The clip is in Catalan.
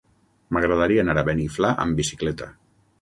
M'agradaria anar a Beniflà amb bicicleta.